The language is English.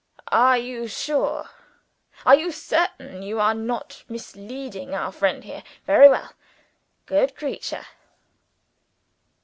Are you sure. Are you certain you are not misleading our friend here? Very well: good creature!